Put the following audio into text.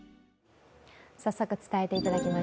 早速伝えていただきます。